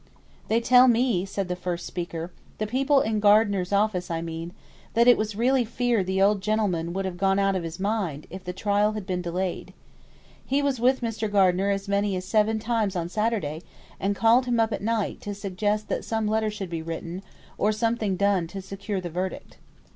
"They tell me," said the first speaker, "the people in Gardener's office I mean, that it was really feared the old gentleman would have gone out of his mind, if the trial had been delayed. He was with Mr. Gardener as many as seven times on Saturday, and called him up at night to suggest that some letter should be written, or something done to secure the verdict."